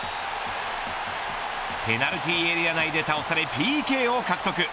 ペナルティーエリア内で倒されＰＫを獲得。